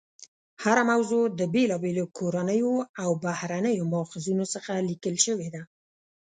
هره موضوع د بېلابېلو کورنیو او بهرنیو ماخذونو څخه لیکل شوې ده.